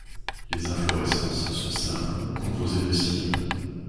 Les inflorescences sont simples ou composées de cymes.